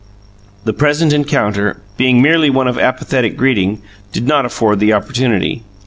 The present encounter, being merely one of apathetic greeting, did not afford the opportunity.